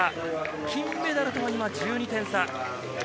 金メダルとは１２点差。